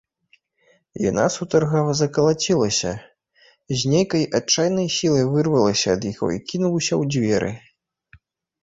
Яна сутаргава закалацілася, з нейкай адчайнай сілай вырвалася ад яго і кінулася ў дзверы.